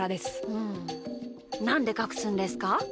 うんなんでかくすんですか？